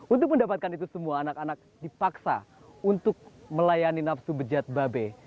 untuk mendapatkan itu semua anak anak dipaksa untuk melayani nafsu bejat babe